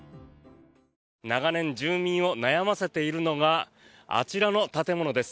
長年住民を悩ませているのがあちらの建物です。